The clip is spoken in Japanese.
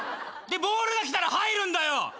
でボールが来たら入るんだよ。